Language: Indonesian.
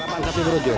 kenapa sapi brujul